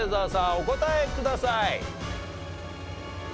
お答えください。